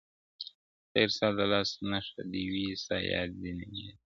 o خير ستا د لاس نښه دي وي، ستا ياد دي نه يادوي.